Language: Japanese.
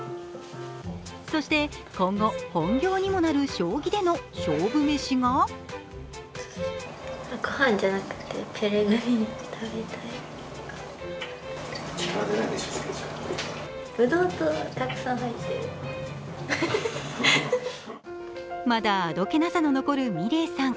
そして、今後、本業にもなる将棋での勝負メシがまだあどけなさの残る美礼さん。